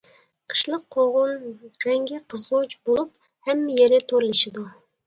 قىشلىق قوغۇن رەڭگى قىزغۇچ بولۇپ، ھەممە يېرى تورلىشىدۇ.